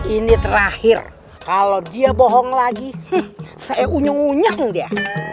ini terakhir kalau dia bohong lagi saya unyung unyum dia